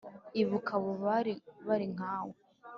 Ibuka abo bari bari nkawe